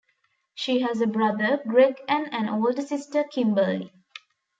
She has a brother, Gregg, and an older sister, Kimberlee.